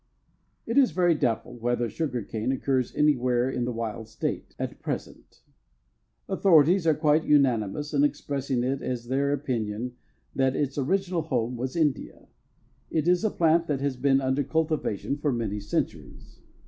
It is very doubtful whether sugar cane occurs anywhere in the wild state, at present. Authorities are quite unanimous in expressing it as their opinion that its original home was India. It is a plant that has been under cultivation for many centuries.